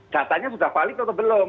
datanya sudah valid atau belum